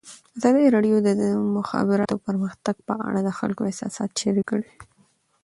ازادي راډیو د د مخابراتو پرمختګ په اړه د خلکو احساسات شریک کړي.